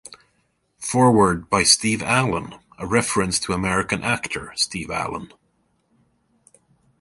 Foreword by Steve Allen, a reference to American actor Steve Allen.